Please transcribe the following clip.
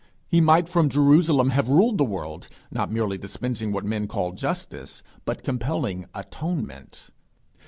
He might from Jerusalem have ruled the world, not merely dispensing what men call justice, but compelling atonement.